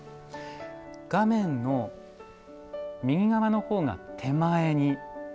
画面の右側の方が手前にあたります。